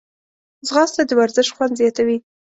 ځغاسته د ورزش خوند زیاتوي